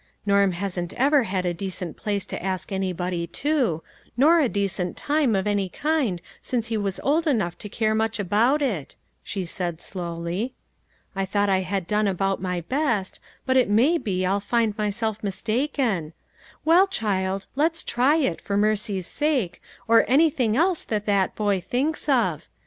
"Norm hasn't ever had a decent place to ask anybody to, nor a decent time of any kind since he was old enough to care much about it," she said slowly. " I thought I had done about my best, but it may be I'll find myself mistaken. Well, child, let's try it, for mercy's sake, or any thing else that that boy thinks of.